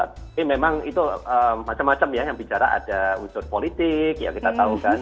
tapi memang itu macam macam ya yang bicara ada unsur politik ya kita tahu kan